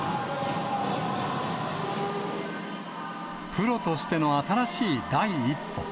プロとしての新しい第一歩。